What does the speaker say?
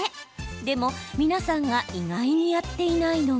でも、皆さんが意外にやっていないのが。